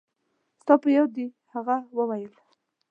ستا په یاد دي؟ هغې وویل.